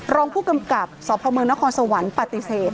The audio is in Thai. รองผู้กำกับสพเมืองนครสวรรค์ปฏิเสธ